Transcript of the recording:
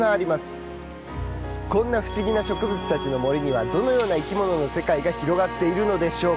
こんな不思議な植物たちの森にはどのような生きものの世界が広がっているのでしょうか？